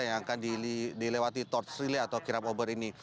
yang akan dilewati torch relay atau kirap obor ini